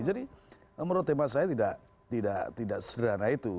jadi menurut tema saya tidak sederhana itu